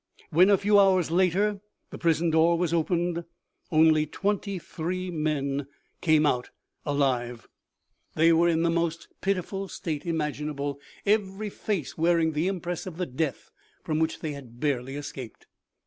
When, a few hours later, the prison door was opened, only twenty three men came out alive ; they were 54 OMEGA. in the most pitiable state imaginable ; every face wearing the impress of the death from which they had barely escaped.